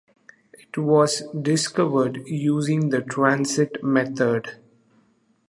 It was discovered using the transit method.